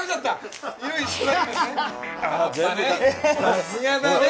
さすがだね！